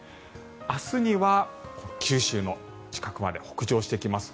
明日には九州の近くまで北上してきます。